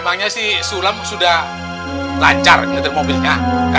emangnya si sulam sudah lancar ngeder mobilnya